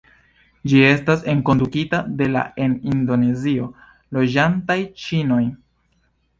Ĝi estas enkondukita de la en Indonezio loĝantaj ĉinoj.